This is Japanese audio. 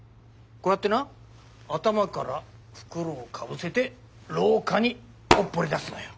こうやってな頭から袋をかぶせて廊下におっぽり出すのよ。